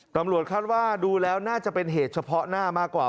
ตำรวจคาดว่าดูแล้วน่าจะเป็นเหตุเฉพาะหน้ามากกว่า